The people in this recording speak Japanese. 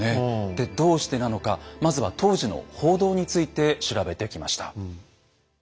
でどうしてなのかまずは当時の報道について調べてきました。